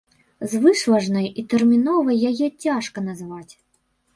Звышважнай і тэрміновай яе цяжка назваць.